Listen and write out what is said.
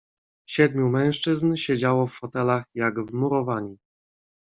"Siedmiu mężczyzn siedziało w fotelach, jak wmurowani."